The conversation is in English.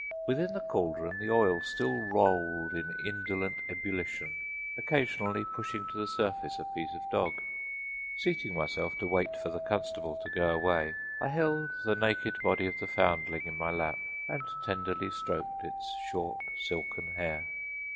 Within the cauldron the oil still rolled in indolent ebullition, occasionally pushing to the surface a piece of dog. Seating myself to wait for the constable to go away, I held the naked body of the foundling in my lap and tenderly stroked its short, silken hair.